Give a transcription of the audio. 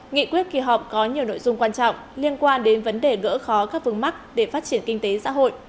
nghị quyết kỳ họp có nhiều nội dung quan trọng liên quan đến vấn đề gỡ khó các vương mắc để phát triển kinh tế xã hội